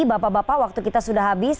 bapak bapak waktu kita sudah habis